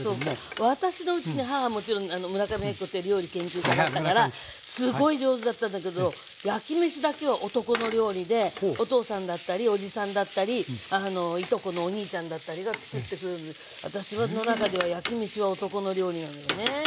もちろん村上昭子って料理研究家だったからすごい上手だったんだけど焼きめしだけは男の料理でお父さんだったりおじさんだったりいとこのお兄ちゃんだったりがつくってくれるので私の中では焼きめしは男の料理なのよね。